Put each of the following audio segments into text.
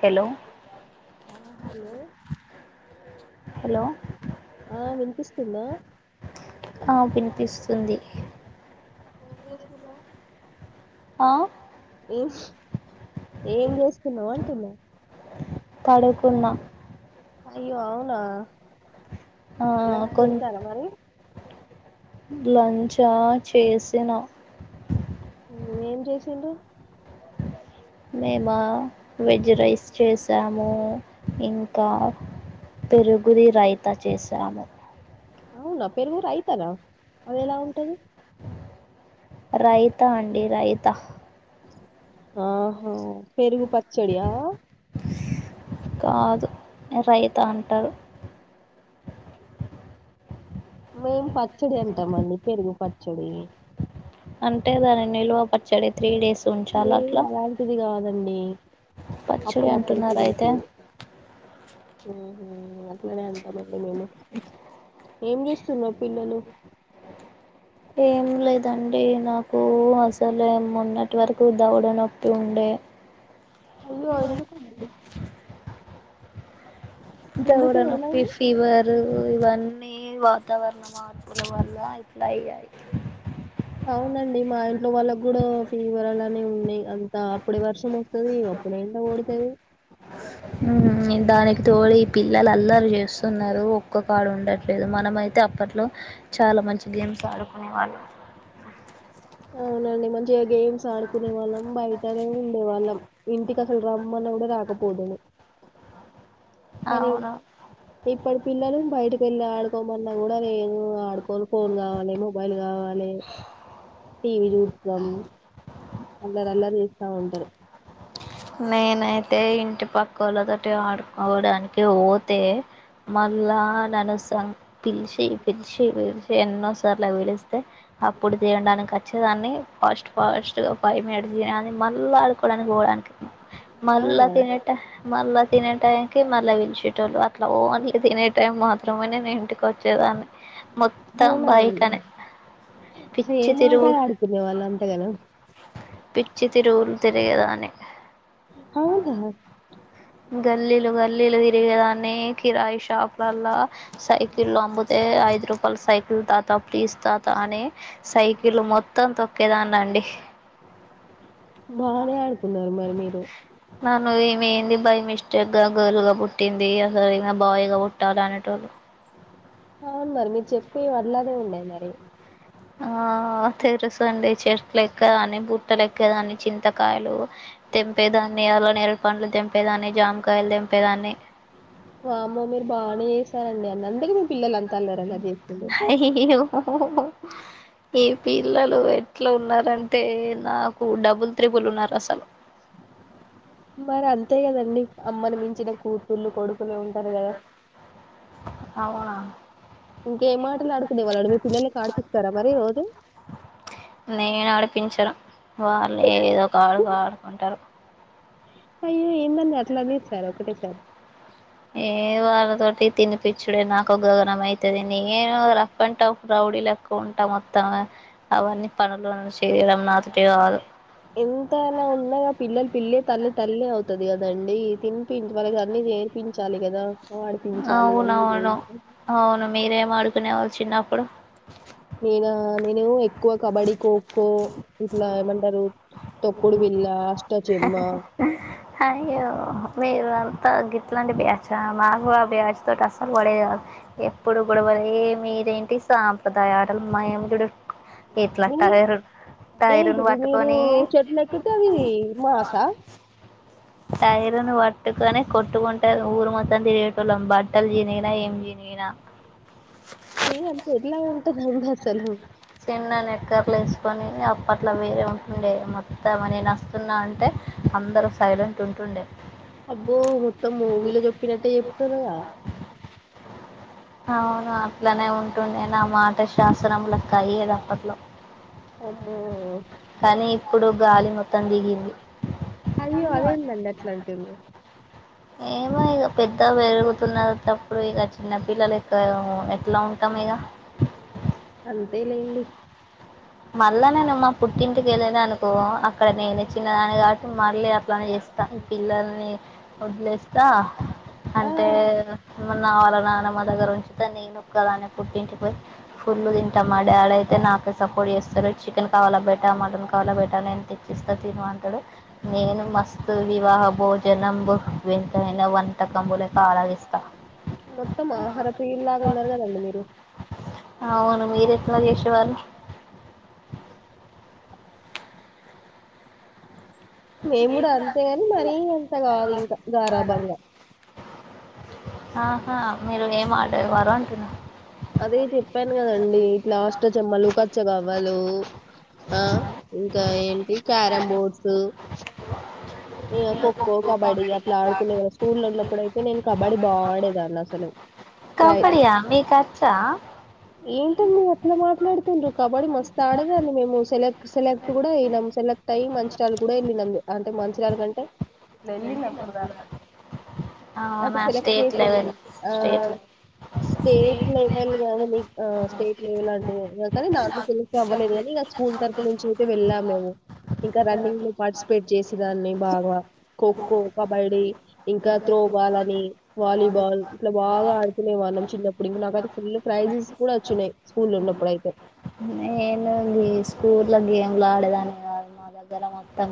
Hello hello హ వినిపిస్తుందా పిస్తుంది ఏంచేస్తున్నావ్ ఆ ఏమ్ ఏం చేస్తున్నావు అంటున్నా పడుకున్న అయ్యో అవునా ఆ లంచ్ కొన్ చేశారా మరి లంచా చేసిన ఏం చేసిండ్రు మేమా వెజ్ రైస్ చేసాము ఇంకా పెరుగురి రైతా చేసాము అవునా పెరుగురు అయితదా అది ఎలా ఉంటది రైతా అండి రైత ఆహా పెరుగు పచ్చడియా కాదు రైత అంటారు మేము పచ్చడి అంటాము అండి పెరుగు పచ్చడి అంటే దాని నిల్వ పచ్చడి త్రీ డేస్ ఏ అలాంటిది కాదు దండి పచ్చుడి అంటున్నారు అయితే మ్మ్ హ్మ్ అట్లనే అంటామండి మేము ఏం చేస్తున్నార్ పిల్లలు ఏం లేదండి నాకు అసలే మొన్నటి వరకు దవడ నొప్పి ఉండే అయ్యో ఎందుకండి దవుడ ఎందుకు నొప్పి ఏమైంది ఫీవర్ ఇవన్నీ వాతావరణ మార్పుల వల్ల ఇట్లా అయ్యాయి అవునండి మా ఇంట్లో వాళ్ళకి కూడా ఫీవర్ అలానే ఉన్నాయి అంతా అప్పుడే వర్షం వస్తుంది అప్పుడే ఎండ కొడతది మ్మ్ దానికి తోడి పిల్లలు అల్లరు చేస్తున్నారు ఒక్కో కాడు ఉండట్లేదు మనమ అయితే అప్పట్లో చాలా మంచి గేమ్స్ ఆడుకునే వాళ్ళం అవునండి మంచిగా గేమ్స్ ఆడుకునే వాళ్ళం బయటనే ఉండే వాళ్ళం ఇంటికి అసలు రమ్మన్న కూడా రాకపోదుము కానీ అవును ఇప్పడికి పిల్లలు బయటకి వెళ్ళి ఆడుకోమన్నా కూడ లేదు ఆడుకో పోన్ ఫోన్ కావాలి మొబైల్ కావాల్ కాలే టీవీ చూత్తం అల్లర అల్లరి చేస్తా ఉంటారు నేనైతే ఇంటి పక్క వాళ్ళతో ఆడుకోవడానికి పోతే మళ్ళా నను సం పి పిలిచి పిలిచి పిలిచి ఎన్నోసార్లు పిలిస్తే అప్పుడు తినడానికి వచ్చే దాన్ని ఫస్ట్ ఫాస్ట్గా ఫైవ్ మినిట్స్ ఆని మల్లా ఆడుకోవడానికి పోవడానికి మళ్ళా అవునా తినేట మళ్ళా తినే టైం కి మళ్ళీ విలిచేటళ్ళు అట్లా ఓన్లీ తినే టైం మాత్రమే నేను ఇంటికి వచ్చేదాన్ని మొత్తం అవునా అండి బైకనే పిచ్చి ఏమాట తిరుగు ఆడుకునేవాళ్ళు అంతగను పిచ్చి తిరువులు తిరిగేదాన్ని అవునా గల్లీలు గల్లీలు తిరిగేదాన్ని కిరాయి షాపులల్లా సైకిల్లో ఆంబోత్ అ ఐదు రూపాయల సైకిల్ తాత ప్లీస్ తాత అని సైకిల్ మొత్తం తొక్కేదాన్నండి బానే అనుకున్నరు మరి మీరు నన్ను ఈమె ఏంది బై మిస్టేక్ గా గర్ల్ గా పుట్టింది అస బాయ్ గా పుట్టాలి అనేటోళ్ళు అవును మరి మీరు చెప్పినయి ఆడ్లానేే ఉన్నయి మరి ఆ తెరుసండి చెట్లేక్కేదాన్ని బుట్టలు ఎక్కేదాన్ని చింతకాయలు తెంపేదాన్ని అలా నేరు పండ్లు తెంపేదాన్ని జామకాయలు తెంపేదాన్ని. వామ్మో మీరు బాగానే చేసారండి అన్నన్ ందుకే మీ పిల్లల్ అంత అల్లరల్లరి జేత్ హా హి హో హొ ఈ పిల్లలు ఎట్ల ఉన్నారంటే నాకు డబుల్ త్రిబుల్ ఉన్నారు అసలు మరి అంతే కదండి. అమ్మని మించిన కూతుళ్ళు కొడుకులే ఉంటరు కదా అవునా ఇంకేం మాటలు ఆడుతునే వాళ్ళండి మీ పిల్లలలకు ఆడిపిస్తారా మరి రోజు నేను ఆడుకుంటరు అయ్యో ఏందండి అట్లా అనే సార్ ఒకటే సారి ఏ వాళ్ళతోటి తినిపచ్చుడే నాకు ఘోరం అవుతుంది నేను రఫ్ అండ్ టఫ్ రౌడీ లెక్క ఉంటా మొత్తం అవన్నీ పనులో చేయడం నాతోటి కాదు ఎంతనా ఉన్నా పిల్లలు పిల్ల తల్లి తల్లి అవుతుది కదండి తినిపించ్ వాళ్ళకి అన్నీ నేర్పించాలి కదా ఆడిపించాలి అన్నీ అవునవును చేయిస్తే అవును మీరేం ఆడుకునేవాళ్ళు చిన్నప్పుడు నేనూ ఎ క్కువ కబడ్డీ కో కో ఇట్లా ఏమంటరు తొక్కుడు బిల్లా అ ష్ట చెమ్మ అయ్యో మీరు అంతా గిట్లాంటి బ్యాస్ చ మగువా బ్యాచ్ తోటి అసలు పడే కాదు ఎప్పుడు గొడవలు ఏ మీరేంటి సాంప్రదాయ ఆటలు మేము చూడు ఇట్లా హామ్ టైరు టైరును ఏంటిది మీరు పట్టుకొని చెట్లు ఎక్కుతే అవి భాష టైరును పట్టుకనే కొట్టుకుంట ఊరు మొత్తం తిరిగటోళ్ళం బట్టలు చినిగిన ఏం చినిగిన చీ అంత ఎట్లా ఉంటది ఏంది అసలు. చిన్న నిక్కర్లు వేసుకొని అప్పట్లో వేరే ఉంటుండే మొత్తంమ నను వస్తున్నా అంటే అందరు సైలెంట్ ట్ ఉంటుండే అబ్బో మొత్తం వీళ్ళు చెప్పినట్టే చెప్తుర్రుగా. అవును అట్లనే ఉంటుండే నా మాట శాసనం లెక్క అయ్యేది అప్పట్లో అమ్మో కానీ ఇప్పుడు. గాలి మొత్తం దిగింది అయ్యో అదేందది ఎట్లాంటుంది ఏమో ఇక పెద్ద పెరుగుతున్నటప్పుడు ఇక చిన్న పిల్లలు ఇక్క ఎట్లా ఉంటాం ఇక అంతే లేండి మళ్ళా నేను మా పుట్టింటికి వెళ్ళ అనుకో అక్కడ నేను చిన్నదాని కా మళ్ళీ అట్లానే చేస్తా పిల్లల్ని వదిలేస్తా ఆ అంటే నా వాళ్ళ నాన్నమ దగ్గర ఉంచితే నేను కదా అనే పుట్టింటిపోయి ఫుల్లు తింటామా డి ఆడైతే నాకే కొడి వేస్తడు చికెన్ కావాలా బేటా మటన్ కావాలా బేటా నేను తెచ్చిస్తాను తిిన అంటాడు నేను మస్తు వివాహ భోజనం వింతైన వంతకంబు లెక్క ఆరగిస్త మొత్తం ఆహారప్రియులు లాగా ఉన్నారు కదండి మీరు అవును మీరు ఎట్లా చేసేవారు హు హూ. మేము కూడా అంతేగాని మరీ అంత కాదు ఇంకా గారాభంగా ఆహా మీరు ఏం ఆడేవారు అంటున్న అదే చెప్పు ప్పను కదండి ఇట్లా అష్ట చెమ్మలు కచ్చ కావవాలు ఆ ఇంకా ఏంటి క్యారం బోర్డ్స్ ఇ ఖోఖో కబడ్డీ అట్లా ఆడుకునే వాళ్ళ స్కూల్లో ఉన్నప్పుడు అయితే నేను కబడ్డీ బా ఆడేదాన్ని అసలు ప్రై కబడియా మీకొచ్చా ఏంటండి ఎట్లా మాట్లాడుతుండ్రు కబడ్డీ మస్త్ ఆడేదాన్ని మేము సెలెక్ట్ సెలెక్ట్ కూడా అయినాము సెలెక్ట్ అయినం మంచిళ్ళ కూడా వెళ్ళినం అంటే మంచి రు కంటే ఇట్లా వెళ్ళి న కూడా అది అవునా సెలెక్ట్ స్టేట్ చేసాను లెవెల్ ఆ స్టేట్ లెవెల్ స్టేట్ లెవెల్గా స్టేట్ లెవెల్ అంటే కానీ దాంట్లో సెలెక్ట్ అవ్వలేదు కాని ఇ స్కూల్ తరఫ నుంచి అయితే వెళ్ళాము మేము ఇంకా రన్నింగ్ పార్టిసిపేట్ చేసి దాన్ని బాగా ఖోఖో కబడ్డీ ఇంకా త్రోబాల్ అని వాలీబాల్ ఇట్లా బాగా ఆడుకునేవాల్లమ్ చిన్నప్పుడు ఇంకా నాకైతే ఫుల్ ప్రైజెస్ కూడా వచ్చన్నాయి స్కూల్ ఉన్నప్పుడుయితే స్కూల్ లో గేమ్లు ఆడేదాన్ని కాదు మా దగ్గర మొత్తం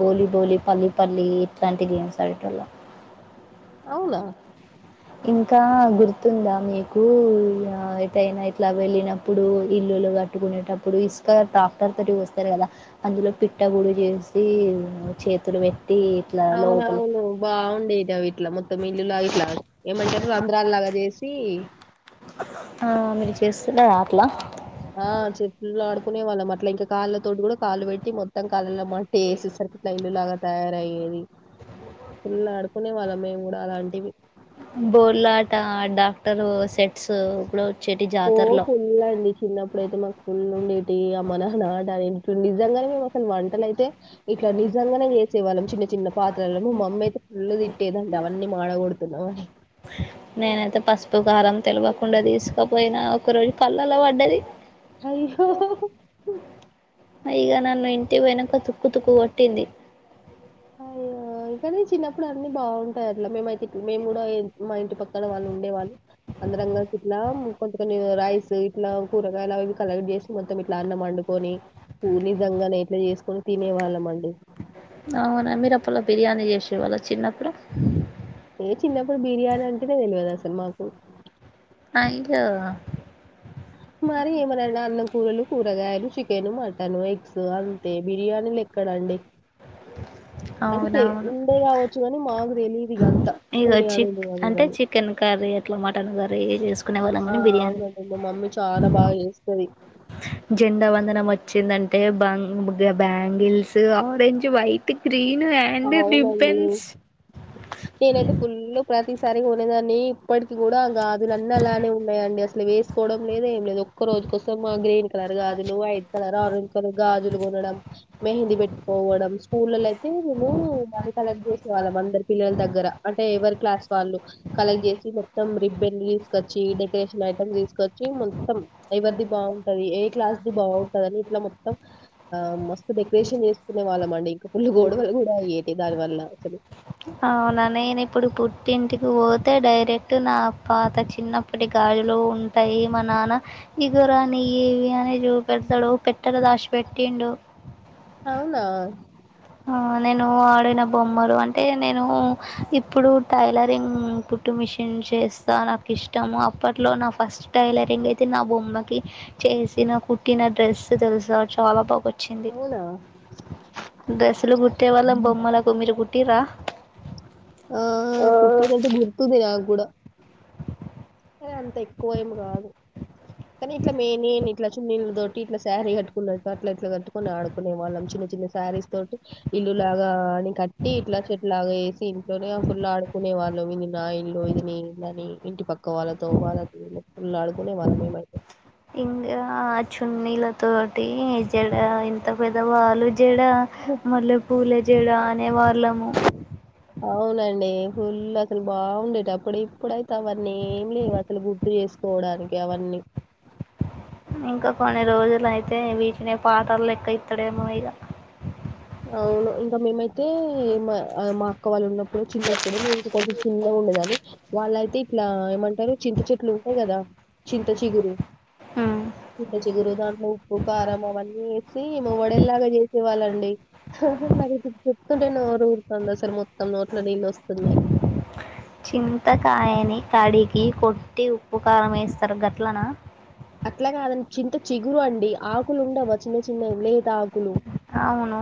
బోలి బోలి పల్లి పల్లి ఇట్లాంటి గేమ్స్ అదేటోల్లం అవునా ఇంకా గుర్తుందా మీకు ఎటైన ఇట్లా వెళ్ళినప్పుడు ఇల్లులు కట్టుకునేటప్పుడు ఇసుక ట్రాక్టర్ తోటి వస్తారు కదా అందులో పిట్ట గుడి చేసి చేతులు పెట్టి ఇట్లా లోపల అవునువును బాగుండిటవి ఇట్లా మొత్తం ఇల్లులా ఇట్లా ఏమంటారు రంధ్ర లాగా చేసి ఆహా మీరు చేస్తున్నారా అట్లా ఆహా చెట్లు ఆడుకునే వాళ్ళం అట్లా ఇంకా కాళ్ళతోటి కూడా కాళ్లు పెట్టి మొత్తం కాళ్ళలో మట్టి వేసే సరికి ఇట్లా ఇల్లులాగా తయారయ్యేది ఫుల్ ఆడుకునే వాళ్ళం మేమ్ కూడా అలాంటివి బోర్లాట డాక్టర్ సెట్స్ ఇప్పుడు వచ్చేటి ఓ జాతరలో ఫుల్ అండి చిన్నప్పుడుైతే మాకు ఫుల్ ఉండేటి ఆ మనట నిజంగాని మేము అసలు వంట అయితే ఇట్లా నిజంగానే చేసే వాళ్ళం చిన్న చిన్న పాత్రలు మమ్మీ అయితే ఫుల్ గా తిట్టేదండి అవన్నీ మాడకూడ లోహి నేనైతే పసుపు, కారం తెలివకుండ తీసుకపోయినా ఒక రోజు కాళ్ళల్ల పడ్డది. అయ్యో. ఇగ నన్ను ఇంటికి పోయినంక తుక్కు తుక్కు కొట్టింది. అయ్యో, ఇ కనీ చిన్నప్పుడు అన్నిీ బాగుంటాయట్ల మేమైత్ తిక్ మేము గూడ ఎ మా ఇంటి పక్కన వాళ్ళు ఉండే వాళ్ళు అందరంగల్సి ఇట్లా కొంచ కొన్ని రైస్ ఇట్లా కూరగాయలాగ ఇవి కలెక్ట్ చేసి మొత్తం ఇట్ల అన్నం వండుకొని. పూ నిజంగనే ఇట్ల చేసుకొని తినేవాళ్ళమండి. లోపల బిర్యానీ చేసేవాళ్ళ చిన్నప్పుడు. ఏ చిన్నప్పుడు బిర్యానీ అంటెనే తెలవదు అసలు మాకు. మా ఇంట్ల గుడ మరి ఏమన్నన్నా అన్నం కూరలు, కూరగాయలు చికెను మటను ఎగ్. స్ అంతే బిర్యాన్ మీ ఇల్లు ఎక్కడ అండి? అంటే తె అవునవును ఉండే గావచ్చు గనీ మాకు తెలీదు ఇదంత, బిర్యానీలు అవి ఇవని. అట్ల మటన్ కరీ చేస్ ఆ అవును అండి మ మమ్మీ చాన బాగా చేస్తది. జెండా వందనం వచ్చిందంటే బంగ్ గ bangles orange, white, green. And అవునండి రిబ్బన్స్ నేనైతే ఫుల్లు ప్రతిసారి కొనేదాన్ని. ఇప్పటికి కూడా గాజులన్ని అలానే ఉన్నాయండి అసలు వేసుకోవడం లేదు ఏం లేదు. ఒక్ ఒక్క రోజు కోసం ఆ గ్రీన్. కలర్ గాజులు, వైట్ కలర్, ఆరంజ్ కలర్ గాజులు కొనడం, మెహందీ పెట్ పోవడం స్కూళ్ళల అయితే మేము మనీ కలెక్ట్ చేసే వాళ్ళం, అందర్ పిల్లల దగ్గర అంటే, ఎవరి క్లాస్ వాళ్ళు. కలెక్ట్ చేసి మొత్తం రిబ్బెన్ తీసు. కచ్చి డెకరేషన్ ఐటమ్ తీసుకొచ్చి మొత్తం ఎవరిది బావున్టది ఏ క్లాస్ ది బాగుంటది అని ఇట్లా మొత్తం. ఆ మస్త్ డెకరేషన్ చేస్కునే వాళ్ళం అండి ఇంక పుల్ గొ గొడవల్ గూడ అయ్యేటి దాని వల్ల అసలు. అవునా, నేను ఇప్పుడు పుట్టింటికి పోతే డైరెక్ట్ నా పాత చిన్నప్పటి గాజులు ఉంటయి, మా నాన్న ఇగోరా నియ్యి ఇవి అన్ నిక్ జుపెడతలో పెట్టల దాషి పెట్టిండు. అవునా? ఆ నేను ఆడే నా బొమ్మలు అంటే, నేను ఇప్పుడు టైలరింగ్ కుట్టు మిషన్ చేస్తా నాకిష్టము. అప్పట్లో నా ఫస్ట్ టైలరింగ్ అయితే నా బొమ్మకి. చేసిన కుట్టిన డ్రెస్ తెల్సా చాలా బాగొచ్ అవునా. అసలు కుట్టే వాళ్ళం బొమ్మలకు. మీరు కుట్ టిరా. ఓహో కుటీరు గుర్తుంది నాకు కూడా. అంత ఎక్కువ ఏమి కాదు కానీ ఇట్లా మే నే ఇట్లా చిన్నీలతోటి ఇట్లా శారీ కట్టుకున్నట్టు అట్లాట్లా కట్టుకుని ఆడుకునే వాళ్ళం చిన్న. చిన్న సారీస్ తోటి ఇల్లు లాగా అని కట్టి ఇట్లా చెట్ లాగా వేసి ఇంట్లోనే ఫుల్ ఆడుకునే వాళ్ళం ఇది నా ఇల్లు ఇదిని ఇని ఇంటి పక్కన. పక్క వాళ్ళతో వాళ్ళతోళలు అడుకునే వాళ్ళం మేమైతే. ఇంకా చున్నీల తోటి జడ ఇంత పెద్ద వాళ్ళు. జాడ మల్లె పూల జాడ. అనే వాళ్ళము. అవునండి ఫుల్ అసలు బాగుండేట అప్పుడు ఇప్పుడైతే అవన్నీ ఏం లేవు అసలు గుర్తు చేసుకోవడానికి అవన్నీ. ఇంకా కొన్ని రోజులు అయితే వీటినే పాటాలు లెక్క ఇత్తడేమో ఇంకా. అవును ఇంకా మేమైతే. అయితే మా మా అక్క వాళ్ళు ఉన్నప్పుడు చిన్నప్పుడు కొంచెం చిన్నగా ఉండే దాని వాళ్ళయితే ఇట్లా ఏమంటారు చింత చెట్లు ఉంటాయి కదా చింత చిగురు హ్మ్ చింత చిగురు దాంట్లో ఉప్పు కారం అవన్నీ వేసి వడేల్లాగా చేసే వాళ్ళండి. నా చెప్తుంటే నోరు ఊరుతుంది అసలు మొత్తం నోట్ల నీళ్ళు వస్తున్నాయి. చింతకాయని తాడికి కొట్టి ఉప్పు కారం వేస్తారు గట్లన్న. అట్లా కాదండి చింత చిగురు అండి ఆకులు ఉండవా చిన్న చిన్న లేత ఆకులు. అవును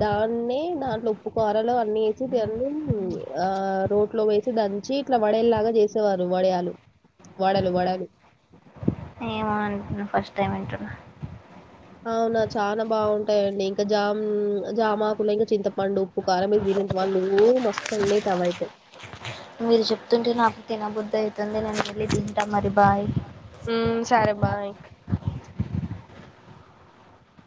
దాన్నే దాంట్లో ఉప్పుకరలు అన్ని వేసి దన్ని ఆ రోడ్లో వేసి దంచి ఇట్లా వడేలులాగా చేసేవారు వడయాలు వడలు వడలు. ఏమో అంటున్నా ఫస్ట్ టైం వింటున్నా. అవునా చాలా బాగుంటాయండి ఇంకా జామ్ జామాకులు ఇంకా చింతపండు ఉప్పు కారంమే దీనంత వాళ మస్తు ఉండేట అవి అయితే. మీరు చెప్తూంటే నాకు తినబుద్ధి అవుతుంది నేను వెళ్ళి తింటా మరి బాయ్. హ్మ సరే బాయ్.